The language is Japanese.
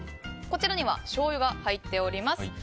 こちらにはしょうゆが入っております。